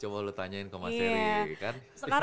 coba lo tanyain ke mas seri